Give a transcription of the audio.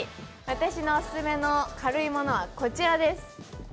私のオススメの軽いものは、こちらです。